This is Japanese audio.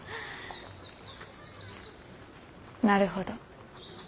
なるほど。